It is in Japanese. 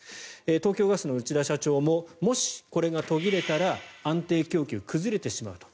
東京ガスの内田社長ももしこれが途切れたら安定供給が崩れてしまうと。